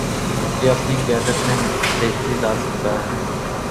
یہ اپنی قیادت میں بہتری لاسکتا ہے۔